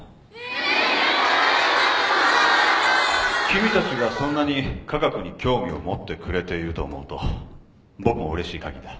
君たちがそんなに科学に興味を持ってくれていると思うと僕もうれしいかぎりだ。